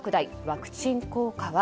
ワクチン効果は？